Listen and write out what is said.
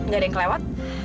gak ada yang kelewat